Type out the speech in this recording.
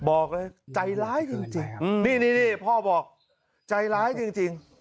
บอกเลยใจร้ายจริงจริงอืมนี่นี่นี่พ่อบอกใจร้ายจริงจริง